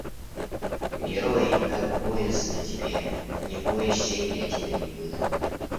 Герой, как боязно тебе, Не бойся, я тебя не выдам.